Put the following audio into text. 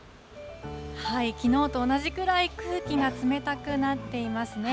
きのうと同じくらい空気が冷たくなっていますね。